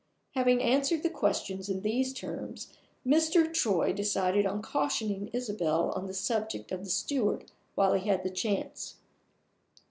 Having answered the questions in those terms, Mr. Troy decided on cautioning Isabel on the subject of the steward while he had the chance.